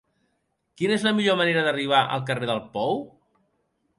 Quina és la millor manera d'arribar al carrer del Pou?